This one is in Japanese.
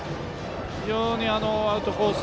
非常にアウトコース